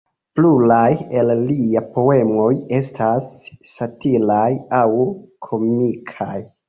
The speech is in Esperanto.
Pluraj el lia poemoj estas satiraj aŭ komikaj.